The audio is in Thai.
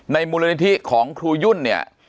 มูลนิธิของครูยุ่นเนี่ย